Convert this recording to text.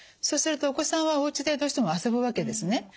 そうするとお子さんはおうちでどうしても遊ぶわけですね。